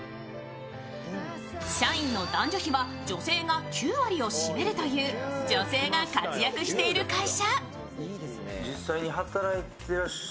社員の男女比は女性が９割を占めるという女性が活躍している会社。